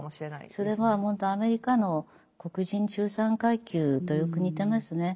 それはほんとアメリカの黒人中産階級とよく似てますね。